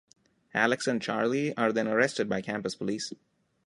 Alex and Charley are then arrested by campus police.